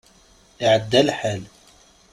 Iɛedda lḥal.